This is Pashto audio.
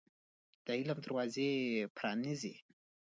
د علم دروازي پرانيزۍ